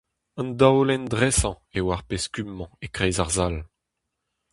An daolenn dresañ eo ar pezh kub-mañ e-kreiz ar sal.